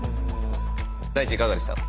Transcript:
大馳いかがでした？